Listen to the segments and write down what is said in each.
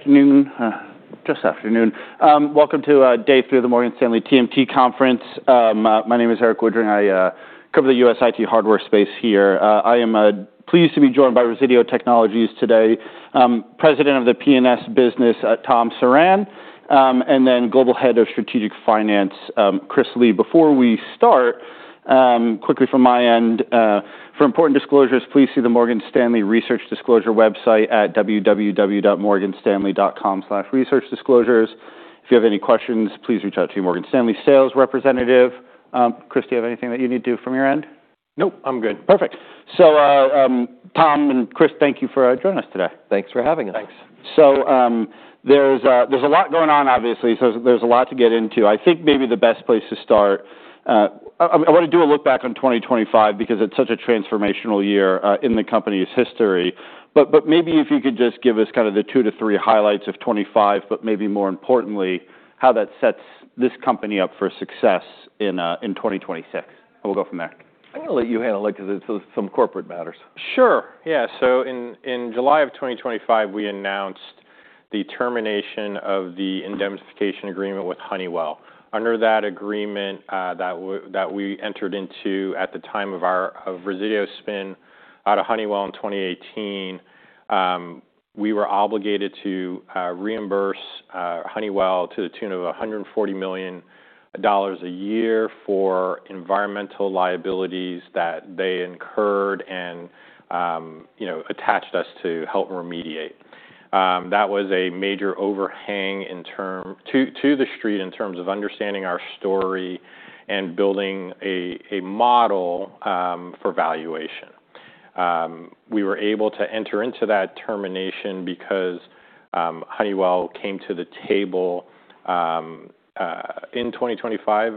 Afternoon. Just afternoon. Welcome to day three of the Morgan Stanley TMT Conference. My name is Erik Woodring. I cover the U.S. IT hardware space here. I am pleased to be joined by Resideo Technologies today. President of the P&S business, Thomas Surran, and then Global Head of Strategic Finance, Chris Lee. Before we start, quickly from my end, for important disclosures, please see the Morgan Stanley Research Disclosure website at www.morganstanley.com/researchdisclosures. If you have any questions, please reach out to your Morgan Stanley sales representative. Chris, do you have anything that you need to do from your end? Nope, I'm good. Perfect. Tom and Chris, thank you for joining us today. Thanks for having us. Thanks. There's a lot going on, obviously, so there's a lot to get into. I think maybe the best place to start, I wanna do a look back on 2025 because it's such a transformational year, in the company's history. But maybe if you could just give us kind of the two to three highlights of 2025, but maybe more importantly, how that sets this company up for success in 2026. We'll go from there. I'm gonna let you handle it 'cause it's some corporate matters. Sure. Yeah. In July of 2025, we announced the termination of the indemnification agreement with Honeywell. Under that agreement, that we entered into at the time of our Resideo spin out of Honeywell in 2018, we were obligated to reimburse Honeywell to the tune of $140 million a year for environmental liabilities that they incurred and, you know, attached us to help remediate. That was a major overhang to the street in terms of understanding our story and building a model for valuation. We were able to enter into that termination because Honeywell came to the table in 2025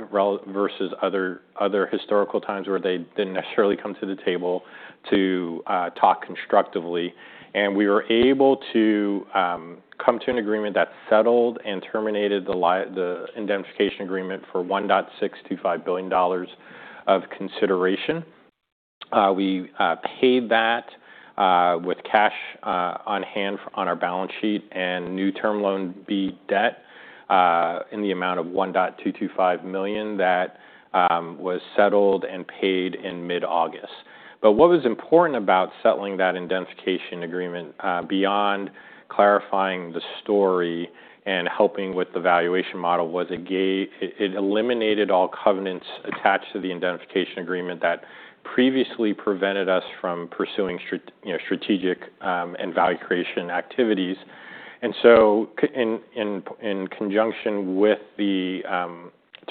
versus other historical times where they didn't necessarily come to the table to talk constructively. We were able to come to an agreement that settled and terminated the indemnification agreement for $1.625 billion of consideration. We paid that with cash on hand on our balance sheet and new Term Loan B debt in the amount of $1.225 million that was settled and paid in mid-August. What was important about settling that indemnification agreement beyond clarifying the story and helping with the valuation model was it eliminated all covenants attached to the indemnification agreement that previously prevented us from pursuing you know, strategic and value creation activities. In conjunction with the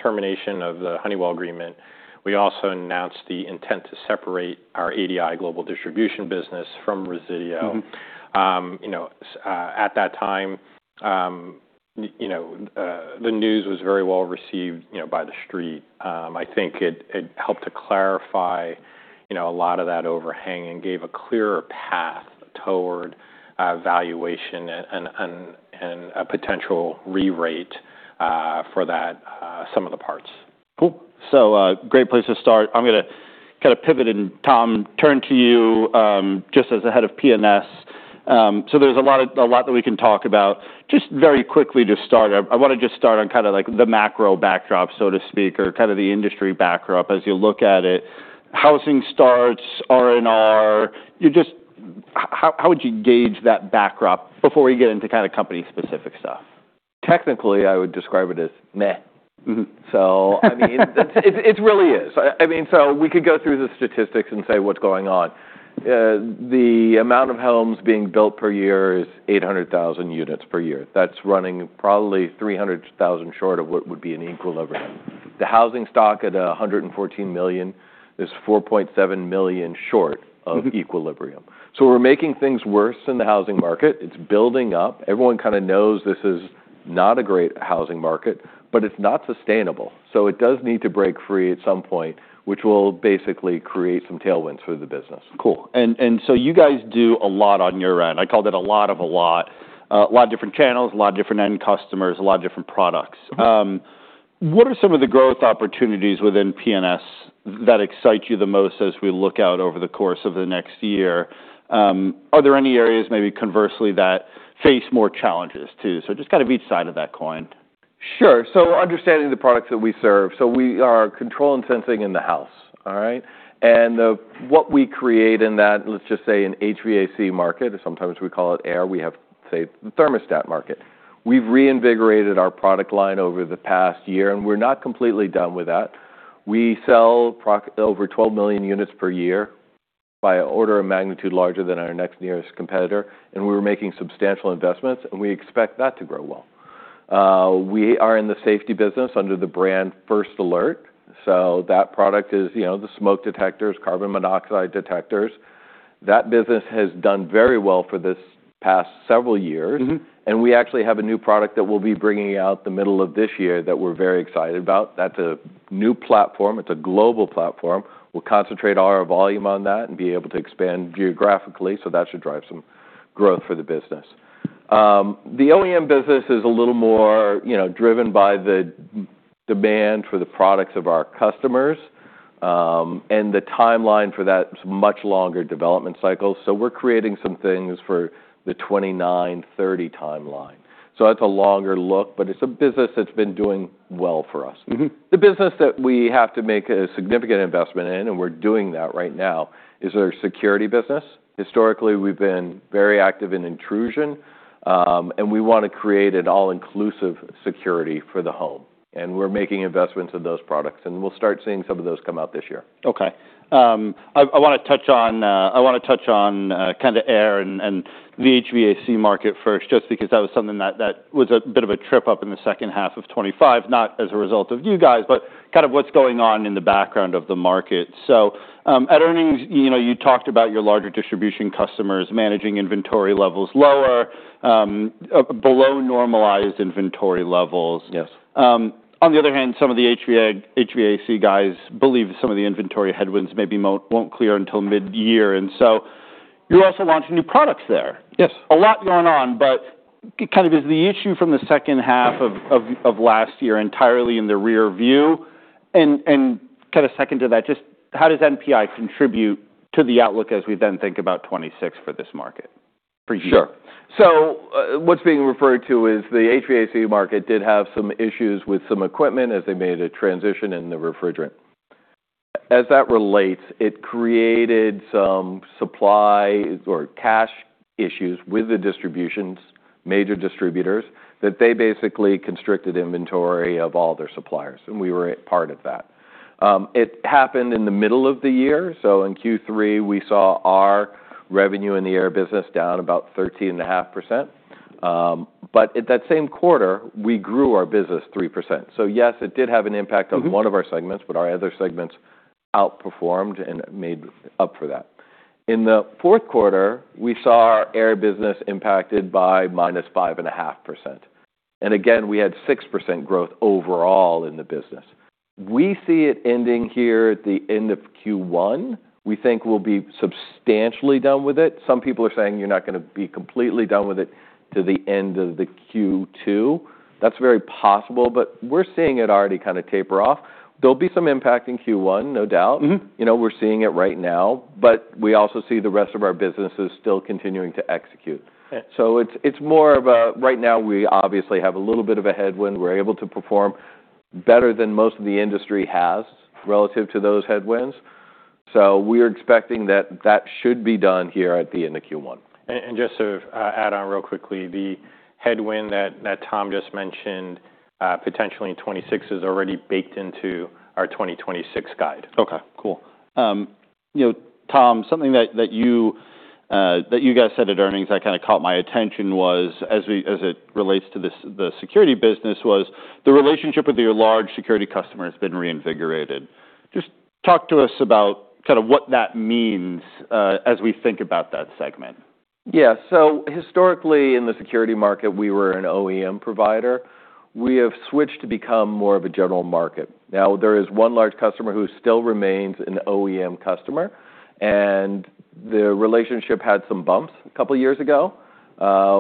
termination of the Honeywell agreement, we also announced the intent to separate our ADI Global Distribution business from Resideo. Mm-hmm. You know, at that time, you know, the news was very well-received, you know, by the street. I think it helped to clarify, you know, a lot of that overhang and gave a clearer path toward valuation and a potential re-rate for that sum of the parts. Cool. Great place to start. I'm gonna kind of pivot and, Tom, turn to you, just as the head of P&S. there's a lot that we can talk about. Just very quickly to start, I wanna just start on kind of like the macro backdrop, so to speak, or kind of the industry backdrop as you look at it. Housing starts, R&R. How would you gauge that backdrop before we get into kind of company specific stuff? Technically, I would describe it as meh. Mm-hmm. I mean, it really is. I mean, we could go through the statistics and say what's going on. The amount of homes being built per year is 800,000 units per year. That's running probably 300,000 short of what would be an equilibrium. The housing stock at 114 million is 4.7 million short. Mm-hmm... of equilibrium. We're making things worse in the housing market. It's building up. Everyone kind of knows this is not a great housing market, but it's not sustainable. It does need to break free at some point, which will basically create some tailwinds for the business. Cool. You guys do a lot on your end. I called it a lot of a lot. A lot of different channels, a lot of different end customers, a lot of different products. What are some of the growth opportunities within P&S that excite you the most as we look out over the course of the next year? Are there any areas maybe conversely that face more challenges too? Just kind of each side of that coin. Sure. Understanding the products that we serve. We are control and sensing in the house, all right? What we create in that, let's just say in HVAC market, or sometimes we call it air, we have, say, the thermostat market. We've reinvigorated our product line over the past year, and we're not completely done with that. We sell over 12 million units per year by order of magnitude larger than our next nearest competitor, and we're making substantial investments, and we expect that to grow well. We are in the safety business under the brand First Alert, so that product is, you know, the smoke detectors, carbon monoxide detectors. That business has done very well for this past several years. Mm-hmm. We actually have a new product that we'll be bringing out the middle of this year that we're very excited about. That's a new platform. It's a global platform. We'll concentrate our volume on that and be able to expand geographically, so that should drive some growth for the business. The OEM business is a little more, you know, driven by the demand for the products of our customers. The timeline for that is much longer development cycle. We're creating some things for the 2029, 2030 timeline. That's a longer look, but it's a business that's been doing well for us. Mm-hmm. The business that we have to make a significant investment in, and we're doing that right now, is our security business. Historically, we've been very active in intrusion, and we wanna create an all-inclusive security for the home, and we're making investments in those products, and we'll start seeing some of those come out this year. Okay. I wanna touch on, kinda air and the HVAC market first, just because that was something that was a bit of a trip up in the second half of 2025, not as a result of you guys, but kind of what's going on in the background of the market. At earnings, you know, you talked about your larger distribution customers managing inventory levels lower, below normalized inventory levels. Yes. On the other hand, some of the HVAC guys believe some of the inventory headwinds won't clear until mid-year. You're also launching new products there. Yes. A lot going on. Kind of is the issue from the second half of last year entirely in the rear view? Kinda second to that, just how does NPI contribute to the outlook as we then think about 2026 for this market for you? Sure. What's being referred to is the HVAC market did have some issues with some equipment as they made a transition in the refrigerant. As that relates, it created some supply or cash issues with the distributions, major distributors, that they basically constricted inventory of all their suppliers, and we were a part of that. It happened in the middle of the year, so in Q3 we saw our revenue in the air business down about 13.5%. At that same quarter, we grew our business 3%. Yes, it did have an impact- Mm-hmm on one of our segments, but our other segments outperformed and made up for that. In the fourth quarter, we saw our air business impacted by -5.5%, and again, we had 6% growth overall in the business. We see it ending here at the end of Q1. We think we'll be substantially done with it. Some people are saying you're not gonna be completely done with it till the end of the Q2. That's very possible, but we're seeing it already kinda taper off. There'll be some impact in Q1, no doubt. Mm-hmm. You know, we're seeing it right now, but we also see the rest of our businesses still continuing to execute. Yeah. It's more of a right now we obviously have a little bit of a headwind. We're able to perform better than most of the industry has relative to those headwinds. We're expecting that that should be done here at the end of Q1. Just to add on real quickly, the headwind that Tom just mentioned, potentially in 2026 is already baked into our 2026 guide. Okay, cool. You know, Tom, something that you that you guys said at earnings that kinda caught my attention was as it relates to this, the security business, was the relationship with your large security customer has been reinvigorated. Just talk to us about kinda what that means, as we think about that segment. Historically, in the security market, we were an OEM provider. We have switched to become more of a general market. There is one large customer who still remains an OEM customer, and the relationship had some bumps a couple years ago.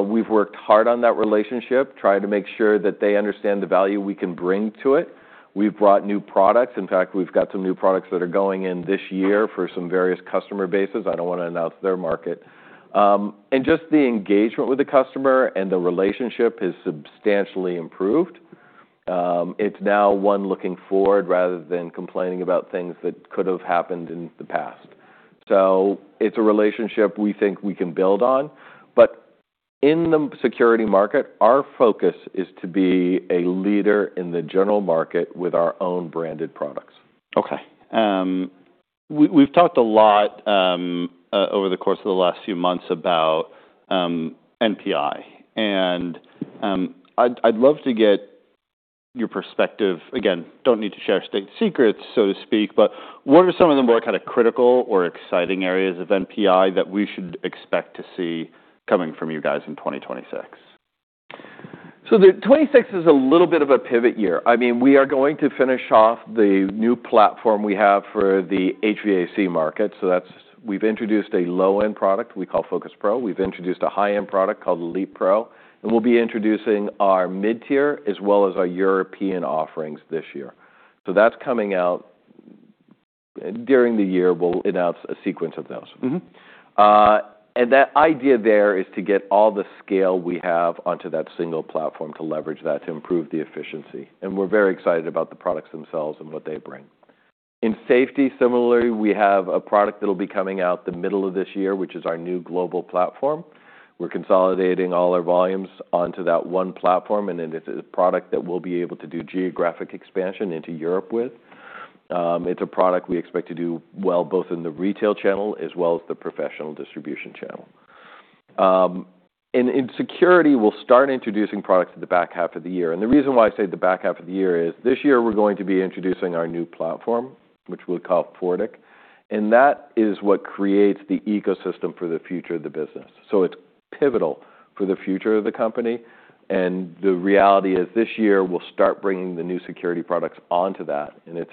We've worked hard on that relationship, trying to make sure that they understand the value we can bring to it. We've brought new products. In fact, we've got some new products that are going in this year for some various customer bases. I don't wanna announce their market. Just the engagement with the customer and the relationship has substantially improved. It's now one looking forward rather than complaining about things that could have happened in the past. It's a relationship we think we can build on. In the security market, our focus is to be a leader in the general market with our own branded products. Okay. We've talked a lot over the course of the last few months about NPI, and I'd love to get your perspective... Again, don't need to share state secrets, so to speak, but what are some of the more kinda critical or exciting areas of NPI that we should expect to see coming from you guys in 2026? The 2026 is a little bit of a pivot year. I mean, we are going to finish off the new platform we have for the HVAC market. We've introduced a low-end product we call FocusPRO. We've introduced a high-end product called ElitePRO, and we'll be introducing our mid-tier as well as our European offerings this year. That's coming out during the year. We'll announce a sequence of those. Mm-hmm. That idea there is to get all the scale we have onto that single platform to leverage that, to improve the efficiency, and we're very excited about the products themselves and what they bring. In safety, similarly, we have a product that'll be coming out the middle of this year, which is our new global platform. We're consolidating all our volumes onto that one platform, and it is a product that we'll be able to do geographic expansion into Europe with. It's a product we expect to do well both in the retail channel as well as the professional distribution channel. In, in security, we'll start introducing products in the back half of the year. The reason why I say the back half of the year is this year we're going to be introducing our new platform, which we'll call Fortik, and that is what creates the ecosystem for the future of the business. It's pivotal for the future of the company, and the reality is this year we'll start bringing the new security products onto that, and it's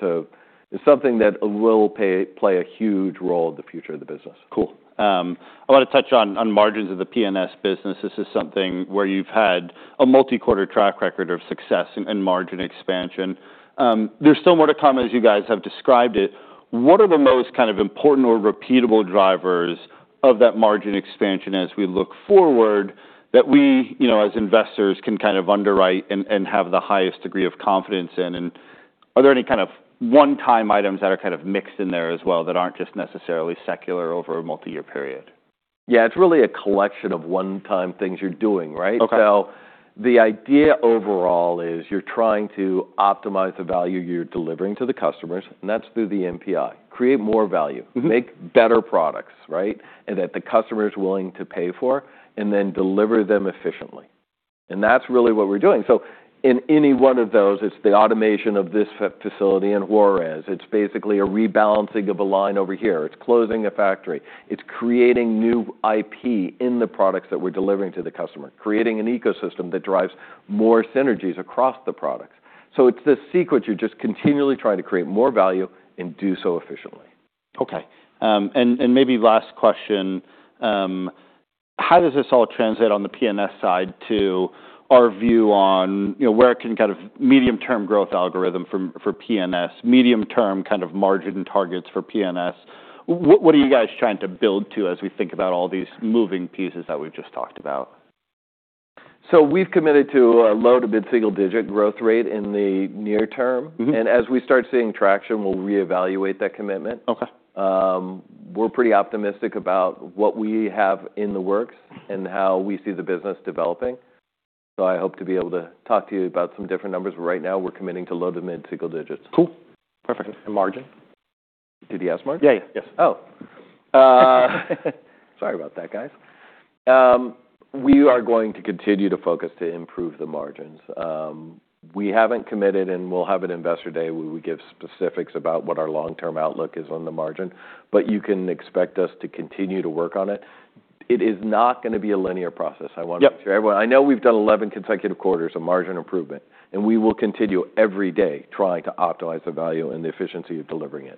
something that will play a huge role in the future of the business. Cool. I wanna touch on margins of the P&S business. This is something where you've had a multi-quarter track record of success and margin expansion. There's still more to come, as you guys have described it. What are the most kind of important or repeatable drivers of that margin expansion as we look forward that we, you know, as investors can kind of underwrite and have the highest degree of confidence in? Are there any kind of one-time items that are kind of mixed in there as well that aren't just necessarily secular over a multi-year period? Yeah. It's really a collection of one-time things you're doing, right? Okay. The idea overall is you're trying to optimize the value you're delivering to the customers, and that's through the NPI. Create more value. Mm-hmm. Make better products, right? That the customer's willing to pay for, and then deliver them efficiently. That's really what we're doing. In any one of those, it's the automation of this facility in Juarez. It's basically a rebalancing of a line over here. It's closing a factory. It's creating new IP in the products that we're delivering to the customer, creating an ecosystem that drives more synergies across the products. It's this sequence. You're just continually trying to create more value and do so efficiently. Okay. And maybe last question. How does this all translate on the P&S side to our view on where it can kind of medium-term growth algorithm for P&S, medium-term kind of margin targets for P&S? What are you guys trying to build to as we think about all these moving pieces that we've just talked about? We've committed to a low- to mid-single digit growth rate in the near term. Mm-hmm. As we start seeing traction, we'll reevaluate that commitment. Okay. We're pretty optimistic about what we have in the works and how we see the business developing, so I hope to be able to talk to you about some different numbers. Right now, we're committing to low to mid-single digits. Cool. Perfect. Margin? Did you ask margin? Yeah. Yes. Sorry about that, guys. We are going to continue to focus to improve the margins. We haven't committed. We'll have an Investor Day where we give specifics about what our long-term outlook is on the margin. You can expect us to continue to work on it. It is not gonna be a linear process, I want to assure everyone. Yep. I know we've done 11 consecutive quarters of margin improvement. We will continue every day trying to optimize the value and the efficiency of delivering it.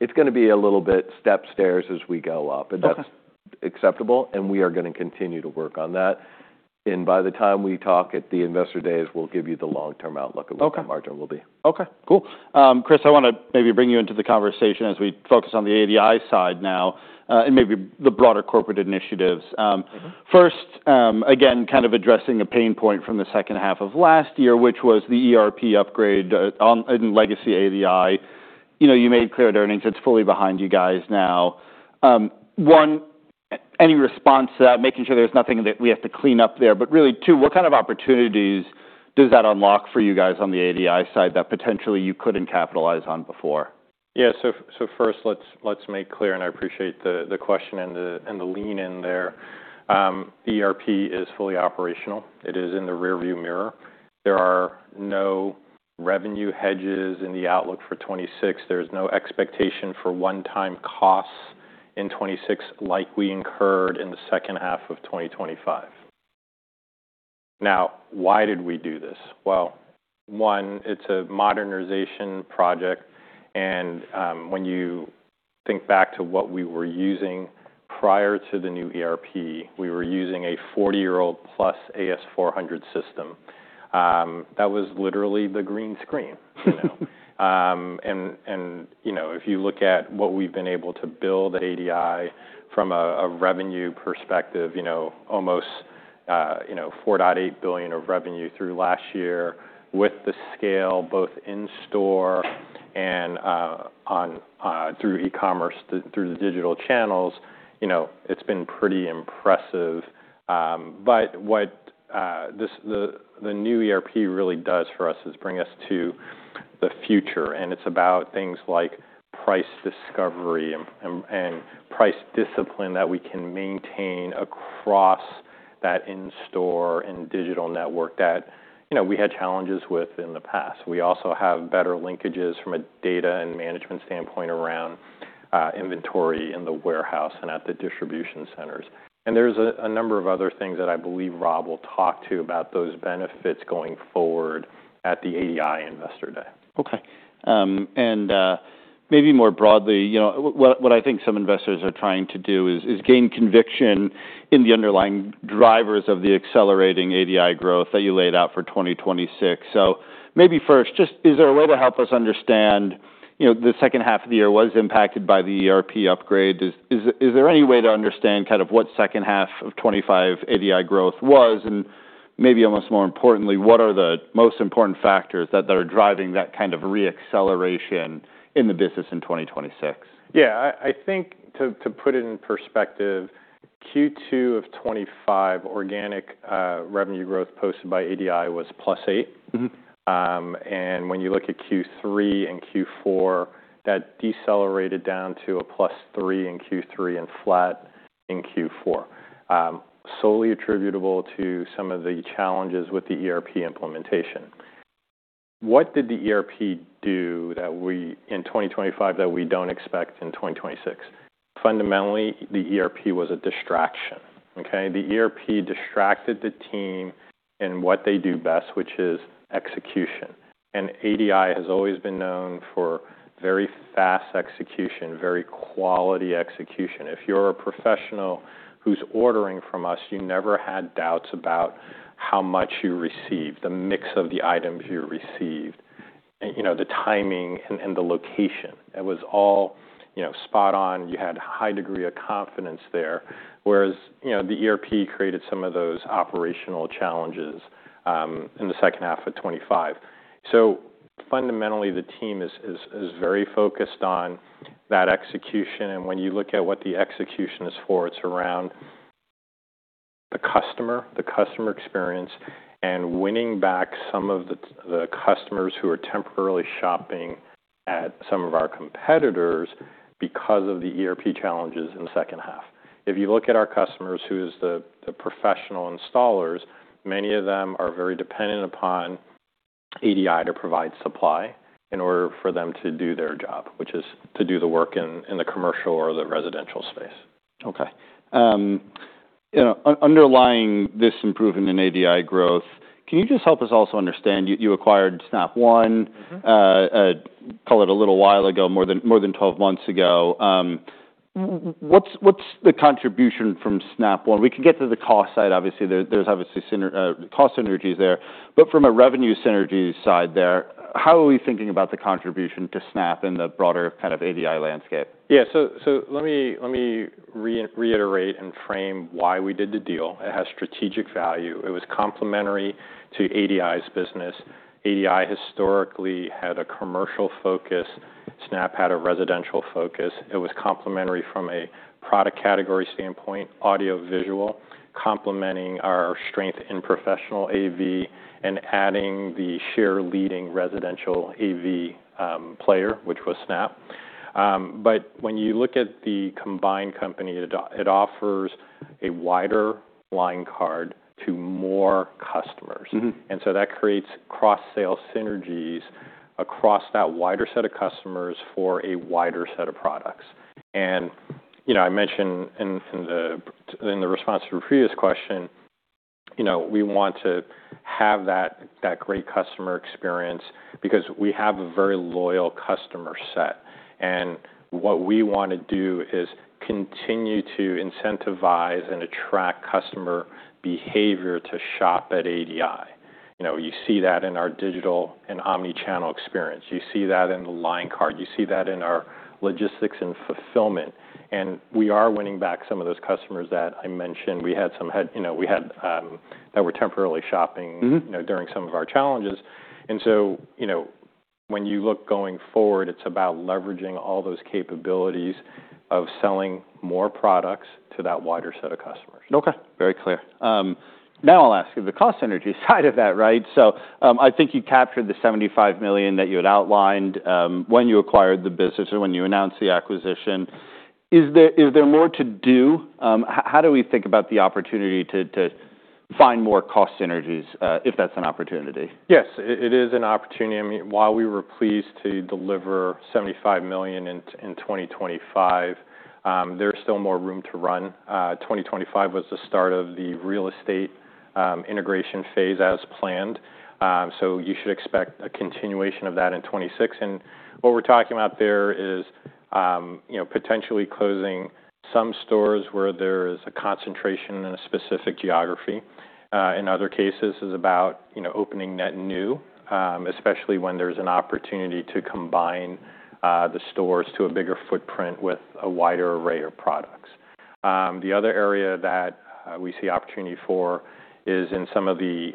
It's gonna be a little bit step stairs as we go up. Okay. That's acceptable, and we are gonna continue to work on that. By the time we talk at the Investor Days, we'll give you the long-term outlook of what the margin will be. Okay. Cool. Chris, I wanna maybe bring you into the conversation as we focus on the ADI side now, and maybe the broader corporate initiatives. Mm-hmm. Again, kind of addressing a pain point from the second half of last year, which was the ERP upgrade on, in legacy ADI. You know, you made clear at earnings it's fully behind you guys now. One, any response to that, making sure there's nothing that we have to clean up there, really, two, what kind of opportunities does that unlock for you guys on the ADI side that potentially you couldn't capitalize on before? First let's make clear, and I appreciate the question and the lean in there. ERP is fully operational. It is in the rearview mirror. There are no revenue hedges in the outlook for 2026. There's no expectation for one-time costs in 2026 like we incurred in the second half of 2025. Why did we do this? Well, one, it's a modernization project, and when you think back to what we were using prior to the new ERP, we were using a 40-year-old plus AS/400 system, that was literally the green screen, you know. You know, if you look at what we've been able to build at ADI from a revenue perspective, you know, almost, you know, $4.8 billion of revenue through last year with the scale both in store and through e-commerce, through the digital channels, you know, it's been pretty impressive. What the new ERP really does for us is bring us to the future, and it's about things like price discovery and price discipline that we can maintain across that in-store and digital network that, you know, we had challenges with in the past. We also have better linkages from a data and management standpoint around inventory in the warehouse and at the distribution centers. There's a number of other things that I believe Rob will talk to about those benefits going forward at the ADI Investor Day. Okay. Maybe more broadly, you know, I think some investors are trying to do is gain conviction in the underlying drivers of the accelerating ADI growth that you laid out for 2026. Maybe first, just is there a way to help us understand, you know, the second half of the year was impacted by the ERP upgrade? Is there any way to understand kind of what second half of 2025 ADI growth was, and maybe almost more importantly, what are the most important factors that are driving that kind of re-acceleration in the business in 2026? Yeah. I think to put it in perspective, Q2 of 2025 organic revenue growth posted by ADI was +8%. Mm-hmm. When you look at Q3 and Q4, that decelerated down to a +3% in Q3 and flat in Q4, solely attributable to some of the challenges with the ERP implementation. What did the ERP do in 2025 that we don't expect in 2026? Fundamentally, the ERP was a distraction, okay. The ERP distracted the team in what they do best, which is execution. ADI has always been known for very fast execution, very quality execution. If you're a professional who's ordering from us, you never had doubts about how much you received, the mix of the items you received. The timing and the location, it was all spot on. You had high degree of confidence there. Whereas the ERP created some of those operational challenges in the second half of 2025. Fundamentally, the team is very focused on that execution, and when you look at what the execution is for, it's around the customer, the customer experience, and winning back some of the customers who are temporarily shopping at some of our competitors because of the ERP challenges in the second half. If you look at our customers, who is the professional installers, many of them are very dependent upon ADI to provide supply in order for them to do their job, which is to do the work in the commercial or the residential space. you know, underlying this improvement in ADI growth, can you just help us also understand, you acquired Snap One. Mm-hmm. Call it a little while ago, more than 12 months ago. What's the contribution from Snap One? We can get to the cost side. Obviously, there's obviously cost synergies there. From a revenue synergy side there, how are we thinking about the contribution to Snap in the broader kind of ADI landscape? Yeah. let me reiterate and frame why we did the deal. It has strategic value. It was complementary to ADI's business. ADI historically had a commercial focus. Snap had a residential focus. It was complementary from a product category standpoint, audio-visual, complementing our strength in professional AV and adding the share leading residential AV, player, which was Snap. When you look at the combined company, it offers a wider line card to more customers. Mm-hmm. That creates cross-sale synergies across that wider set of customers for a wider set of products. You know, I mentioned in the, in the response to a previous question, you know, we want to have that great customer experience because we have a very loyal customer set. What we wanna do is continue to incentivize and attract customer behavior to shop at ADI. You know, you see that in our digital and omni-channel experience. You see that in the line card. You see that in our logistics and fulfillment. We are winning back some of those customers that I mentioned. You know, we had that were temporarily. Mm-hmm... you know, during some of our challenges. you know, when you look going forward, it's about leveraging all those capabilities of selling more products to that wider set of customers. Okay, very clear. Now I'll ask you the cost synergy side of that, right? I think you captured the $75 million that you had outlined, when you acquired the business or when you announced the acquisition. Is there more to do? How do we think about the opportunity to find more cost synergies, if that's an opportunity? Yes. It, it is an opportunity. I mean, while we were pleased to deliver $75 million in 2025, there's still more room to run. 2025 was the start of the real estate integration phase as planned, you should expect a continuation of that in 2026. What we're talking about there is, you know, potentially closing some stores where there is a concentration in a specific geography. In other cases, it's about, you know, opening net new, especially when there's an opportunity to combine the stores to a bigger footprint with a wider array of products. The other area that we see opportunity for is in some of the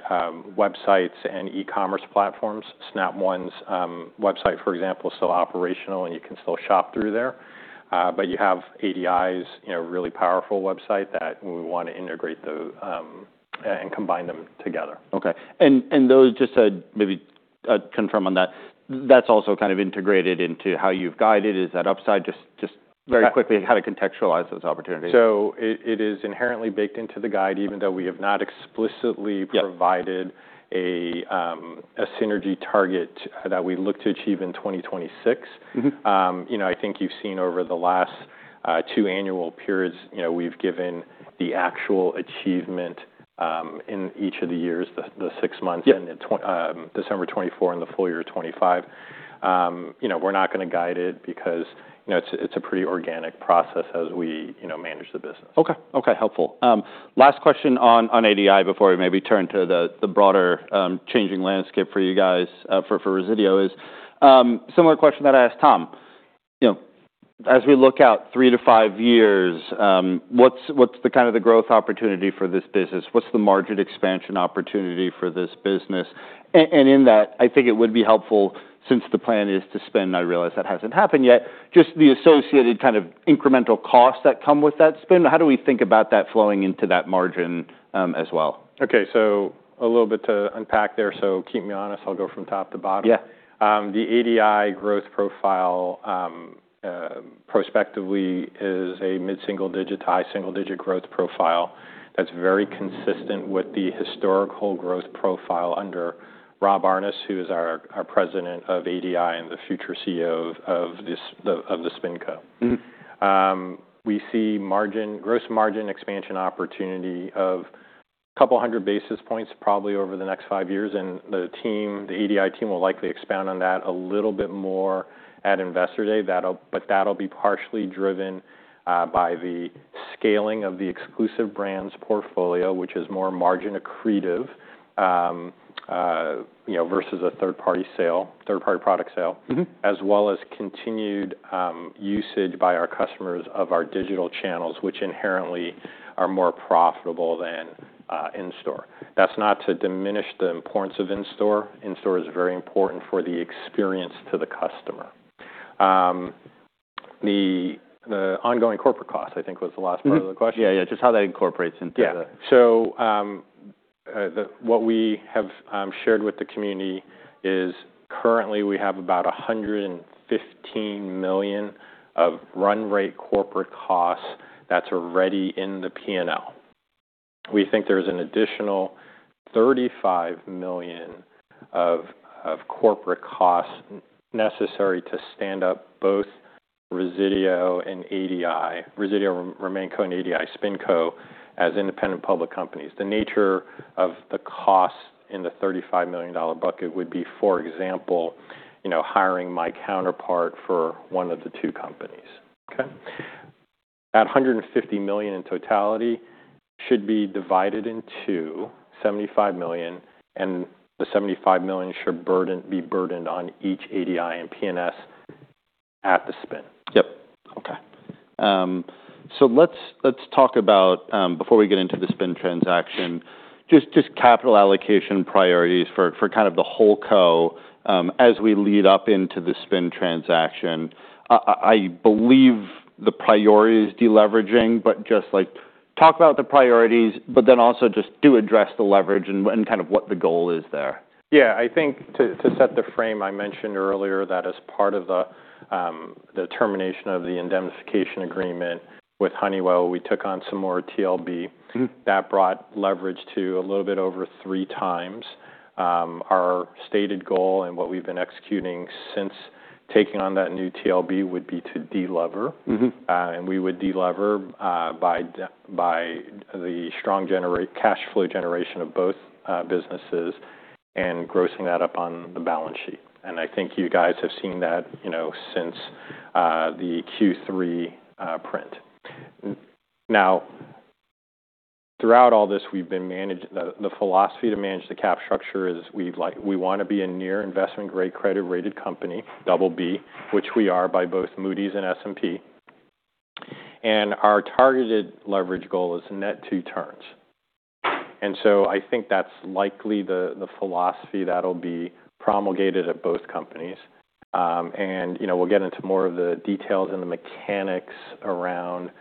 websites and e-commerce platforms. Snap One's website, for example, is still operational, and you can still shop through there. You have ADI's, you know, really powerful website that we wanna integrate the, and combine them together. Okay. Those just maybe confirm on that. That's also kind of integrated into how you've guided. Is that upside just. Yeah... very quickly, how to contextualize those opportunities. It is inherently baked into the guide, even though we have not explicitly- Yeah... provided a synergy target that we look to achieve in 2026. Mm-hmm. You know, I think you've seen over the last, two annual periods, you know, we've given the actual achievement, in each of the years, the six months. Yeah... in December 2024 and the full-year 2025. you know, we're not gonna guide it because, you know, it's a pretty organic process as we, you know, manage the business. Okay. Okay, helpful. last question on ADI before we maybe turn to the broader, changing landscape for you guys, for Resideo is, similar question that I asked Tom. You know, as we look out three to five years, what's the kind of the growth opportunity for this business? What's the margin expansion opportunity for this business? In that, I think it would be helpful since the plan is to spend, I realize that hasn't happened yet, just the associated kind of incremental costs that come with that spend. How do we think about that flowing into that margin, as well? Okay. A little bit to unpack there, so keep me honest. I'll go from top to bottom. Yeah. The ADI growth profile, prospectively is a mid-single digit to high single digit growth profile that's very consistent with the historical growth profile under Rob Aarnes, who is our President of ADI and the future CEO of the SpinCo. Mm-hmm. We see margin, gross margin expansion opportunity of 200 basis points probably over the next five years. The team, the ADI team will likely expand on that a little bit more at Investor Day. But that'll be partially driven by the scaling of the exclusive brands portfolio, which is more margin accretive, you know, versus a third-party sale, third-party product sale. Mm-hmm. As well as continued usage by our customers of our digital channels, which inherently are more profitable than in-store. That's not to diminish the importance of in-store. In-store is very important for the experience to the customer. The ongoing corporate cost, I think, was the last part of the question. Mm-hmm. Yeah, just how that incorporates into the. What we have shared with the community is currently we have about $115 million of run rate corporate costs that's already in the P&L. We think there's an additional $35 million of corporate costs necessary to stand up both Resideo and ADI, Resideo RemainCo and ADI SpinCo as independent public companies. The nature of the cost in the $35 million bucket would be, for example, you know, hiring my counterpart for one of the two companies. Okay. That $150 million in totality should be divided in two, $75 million, and the $75 million should be burdened on each ADI and P&S at the spin. Yep. Okay. let's talk about, before we get into the spin transaction, just capital allocation priorities for kind of the whole co, as we lead up into the spin transaction. I believe the priority is deleveraging, just, like, talk about the priorities, then also just do address the leverage and kind of what the goal is there. Yeah. I think to set the frame, I mentioned earlier that as part of the termination of the indemnification agreement with Honeywell, we took on some more TLB. Mm-hmm. That brought leverage to a little bit over three times. Our stated goal and what we've been executing since taking on that new TLB would be to delever. Mm-hmm. We would delever by the strong cash flow generation of both businesses and grossing that up on the balance sheet. I think you guys have seen that, you know, since the Q3 print. Now, throughout all this, we've been the philosophy to manage the cap structure is we wanna be a near investment grade credit rated company, BB, which we are by both Moody's and S&P. Our targeted leverage goal is net two turns. I think that's likely the philosophy that'll be promulgated at both companies. You know, we'll get into more of the details and the mechanics around,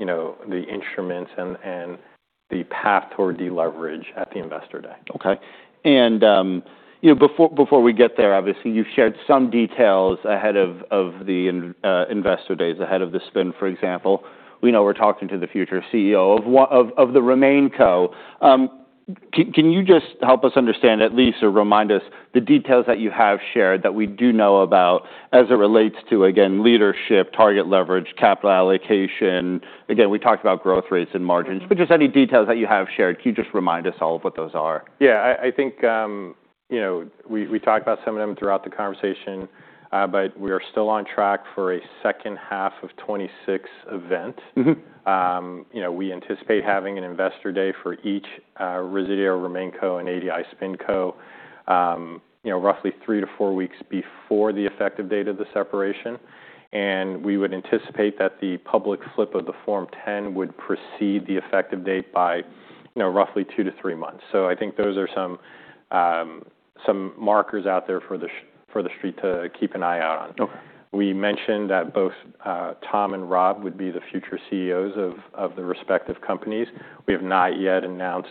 you know, the instruments and the path toward deleverage at the Investor Day. Okay. you know, before we get there, obviously, you've shared some details ahead of the Investor Days, ahead of the spin, for example. We know we're talking to the future CEO of the RemainCo. Can you just help us understand at least or remind us the details that you have shared that we do know about as it relates to, again, leadership, target leverage, capital allocation? Again, we talked about growth rates and margins. Mm-hmm. Just any details that you have shared, can you just remind us all of what those are? Yeah. I think, you know, we talked about some of them throughout the conversation, but we are still on track for a second half of 2026 event. Mm-hmm. you know, we anticipate having an Investor Day for each, Resideo RemainCo and ADI SpinCo, you know, roughly three to four weeks before the effective date of the separation. We would anticipate that the public flip of the Form 10 would precede the effective date by, you know, roughly two to three months. I think those are some markers out there for the street to keep an eye out on. Okay. We mentioned that both Tom and Rob would be the future CEOs of the respective companies. We have not yet announced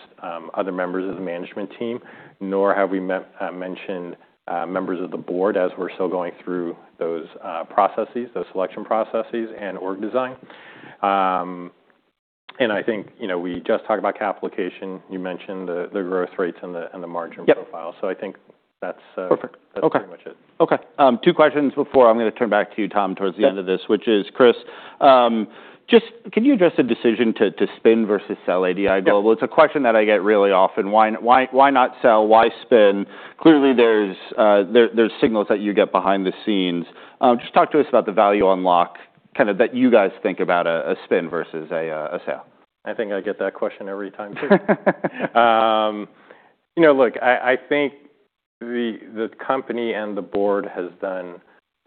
other members of the management team, nor have we mentioned members of the board as we're still going through those processes, those selection processes and org design. I think, you know, we just talked about capital allocation. You mentioned the growth rates and the, and the margin profile. Yep. I think that's. Perfect. Okay... that's pretty much it. Two questions before I'm gonna turn back to you, Tom, towards the end of this. Yeah. Chris, just can you address the decision to spin versus sell ADI Global? Yeah. It's a question that I get really often. Why, why not sell? Why spin? Clearly, there's signals that you get behind the scenes. Just talk to us about the value unlock, kind of that you guys think about a spin versus a sale. I think I get that question every time too. You know, look, I think the company and the board has done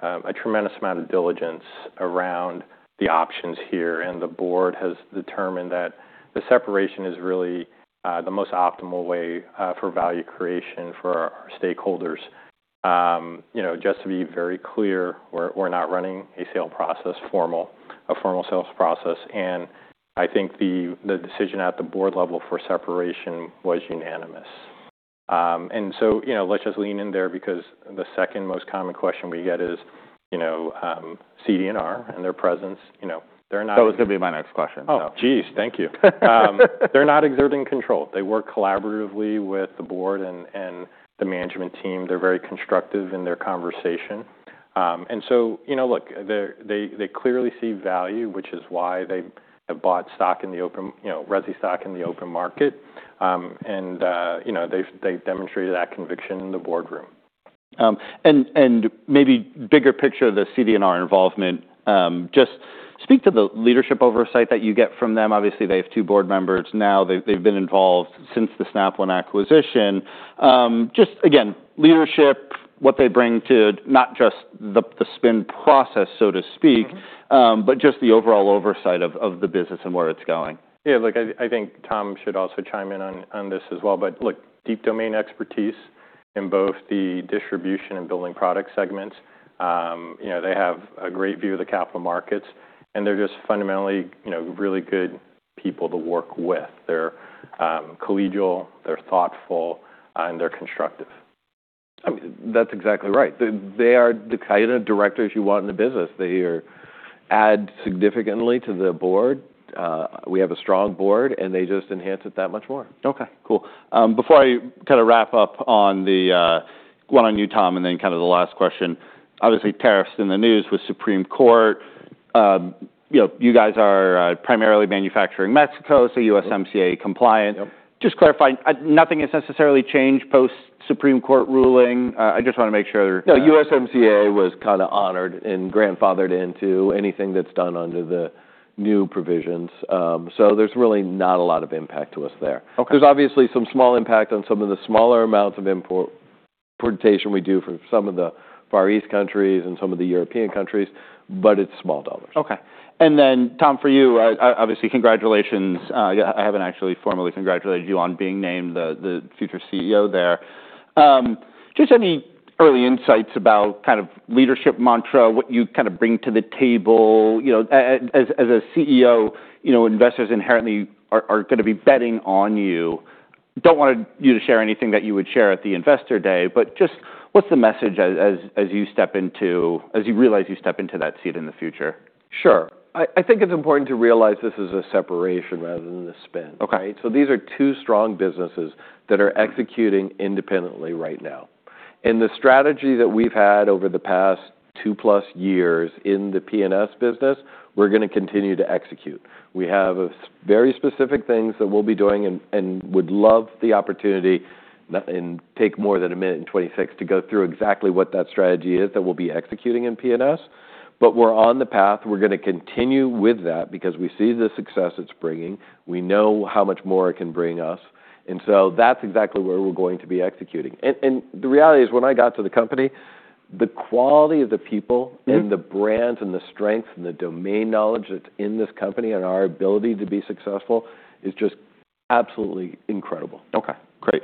a tremendous amount of diligence around the options here, and the board has determined that the separation is really the most optimal way for value creation for our stakeholders. You know, just to be very clear, we're not running a formal sales process, and I think the decision at the board level for separation was unanimous. You know, let's just lean in there because the second most common question we get is, you know, CD&R and their presence. You know, they're not... That was gonna be my next question. Oh, geez. Thank you. They're not exerting control. They work collaboratively with the board and the management team. They're very constructive in their conversation. you know, look, they clearly see value, which is why they have bought stock in the open, you know, Resi stock in the open market. you know, they've demonstrated that conviction in the boardroom. And maybe bigger picture of the CD&R involvement, just speak to the leadership oversight that you get from them. Obviously, they have two board members now. They've been involved since the Snap One acquisition. Just again, leadership, what they bring to not just the spin process, so to speak- Mm-hmm just the overall oversight of the business and where it's going. Yeah, look, I think Tom should also chime in on this as well. Look, deep domain expertise in both the distribution and building product segments. You know, they have a great view of the capital markets, and they're just fundamentally, you know, really good people to work with. They're collegial, they're thoughtful, and they're constructive. I mean, that's exactly right. They are the kind of directors you want in the business. They add significantly to the board. We have a strong board, and they just enhance it that much more. Okay, cool. Before I kind of wrap up on the one on you, Tom, and then kind of the last question, obviously, tariffs in the news with Supreme Court. You know, you guys are primarily manufacturing Mexico, so USMCA compliant. Yep. Just clarify, nothing has necessarily changed post-Supreme Court ruling. I just wanna make sure. USMCA was kind of honored and grandfathered into anything that's done under the new provisions. There's really not a lot of impact to us there. Okay. There's obviously some small impact on some of the smaller amounts of importation we do for some of the Far East countries and some of the European countries, but it's small dollars. Okay. Then, Tom, for you, obviously, congratulations. I haven't actually formally congratulated you on being named the future CEO there. Just any early insights about kind of leadership mantra, what you kind of bring to the table? You know, as a CEO, you know, investors inherently are gonna be betting on you. Don't want you to share anything that you would share at the Investor Day, just what's the message as you step into, as you realize you step into that seat in the future? Sure. I think it's important to realize this is a separation rather than a spin. Okay. Right? These are two strong businesses that are executing independently right now. The strategy that we've had over the past two-plus years in the P&S business, we're gonna continue to execute. We have very specific things that we'll be doing and would love the opportunity, and take more than one minute and 2026 to go through exactly what that strategy is that we'll be executing in P&S. We're on the path, we're gonna continue with that because we see the success it's bringing, we know how much more it can bring us, and so that's exactly where we're going to be executing. The reality is when I got to the company, the quality of the people- Mm-hmm... and the brands and the strength and the domain knowledge that's in this company and our ability to be successful is just absolutely incredible. Okay, great.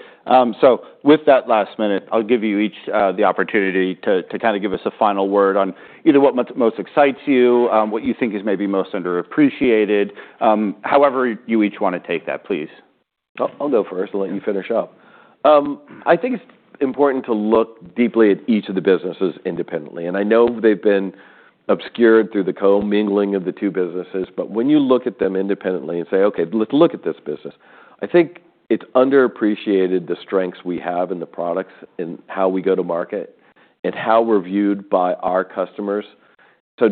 With that last minute, I'll give you each the opportunity to kind of give us a final word on either what most excites you, what you think is maybe most underappreciated, however you each wanna take that, please. I'll go first. I'll let you finish up. I think it's important to look deeply at each of the businesses independently. I know they've been obscured through the co-mingling of the two businesses, when you look at them independently and say, "Okay, let's look at this business," I think it's underappreciated the strengths we have and the products and how we go to market and how we're viewed by our customers.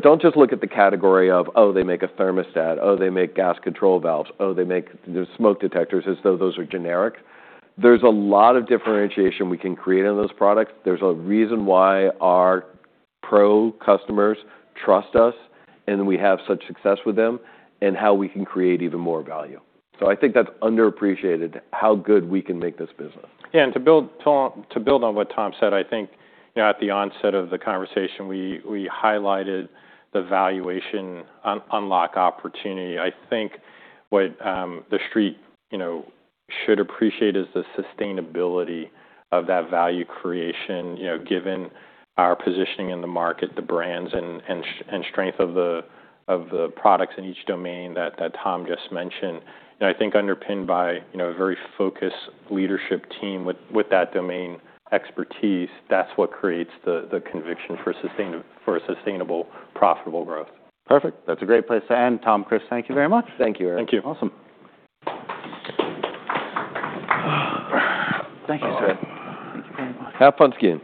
Don't just look at the category of, they make a thermostat, they make gas control valves, they make the smoke detectors, as though those are generic. There's a lot of differentiation we can create in those products. There's a reason why our pro customers trust us, and we have such success with them, and how we can create even more value. I think that's underappreciated, how good we can make this business. Yeah. To build on what Tom said, I think, you know, at the onset of the conversation, we highlighted the valuation unlock opportunity. I think what the street, you know, should appreciate is the sustainability of that value creation, you know, given our positioning in the market, the brands and strength of the products in each domain that Tom just mentioned. I think underpinned by, you know, a very focused leadership team with that domain expertise, that's what creates the conviction for a sustainable, profitable growth. Perfect. That's a great place to end. Tom, Chris, thank you very much. Thank you, Erik. Thank you. Awesome. Thank you, sir. Have fun skiing.